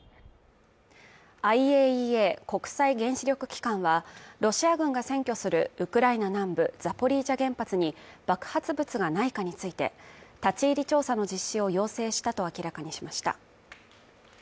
ＩＡＥＡ＝国際原子力機関は、ロシア軍が占拠するウクライナ南部ザポリージャ原発に爆発物がないかについて立ち入り調査の実施を要請したと明らかにしました。